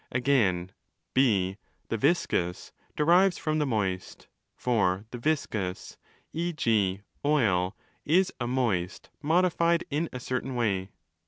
Again (4) 'the viscous' derives 5 from the moist: for 'the viscous' (e. g. oil) is a 'moist' modi fied in a certain way.